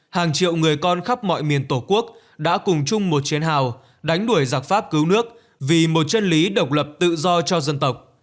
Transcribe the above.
hàng triệu người con khắp mọi miền tổ quốc đã cùng chung một chiến hào đánh đuổi giặc pháp cứu nước vì một chân lý độc lập tự do cho dân tộc